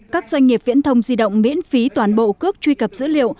các doanh nghiệp viễn thông di động miễn phí toàn bộ cước truy cập dữ liệu